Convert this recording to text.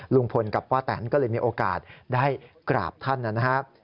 ลุงพลกับป้าแตนก็เลยมีโอกาสได้กราบท่านนะครับ